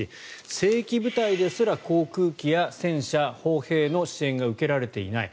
正規部隊ですら航空機や戦車、砲兵の支援が受けられていない。